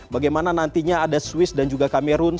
bagaimana nantinya ada swiss dan juga cameron